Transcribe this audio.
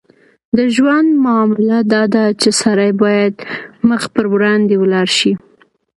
د ژوند معامله داده چې سړی باید مخ پر وړاندې ولاړ شي.